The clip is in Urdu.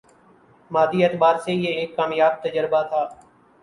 مادی اعتبار سے یہ ایک کامیاب تجربہ تھا